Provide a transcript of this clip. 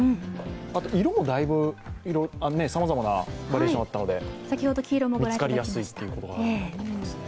あと色もだいぶ、さまざまなバリエーションがあったので見つかりやすいということもありますね。